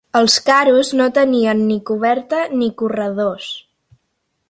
Els caros no tenien ni coberta ni corredors.